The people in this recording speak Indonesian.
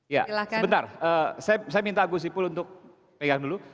ya sebentar saya minta bu sipul untuk pegang dulu